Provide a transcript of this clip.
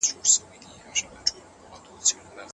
چې ما خبرې ورښودلې